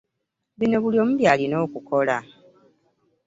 Bino buli omu by'alina okukola.